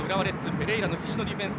ペレイラの必死のディフェンス。